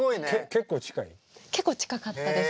結構近かったです。